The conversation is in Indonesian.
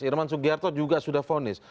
irman sugiarto juga sudah fonis